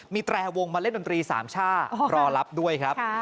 มีแตรวงมาเล่นดนตรีสามช่ารอรับด้วยครับ